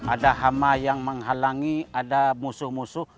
ada hama yang menghalangi ada musuh musuh